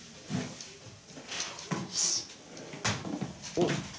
おっ！